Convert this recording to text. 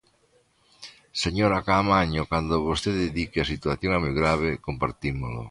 Señora Caamaño, cando vostede di que a situación é moi grave, compartímolo.